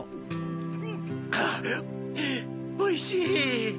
おいしい！